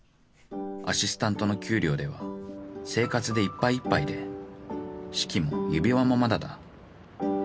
［アシスタントの給料では生活でいっぱいいっぱいで式も指輪もまだだ］